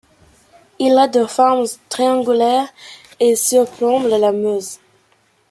Il est de forme triangulaire et surplombe la Meuse.